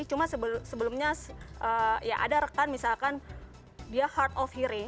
cuma sebelumnya ya ada rekan misalkan dia hard of hearing